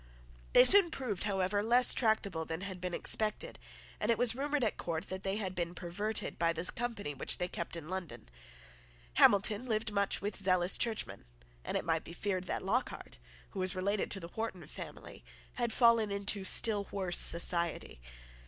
They soon proved, however, less tractable than had been expected; and it was rumoured at court that they had been perverted by the company which they had kept in London. Hamilton lived much with zealous churchmen; and it might be feared that Lockhart, who was related to the Wharton family, had fallen into still worse society.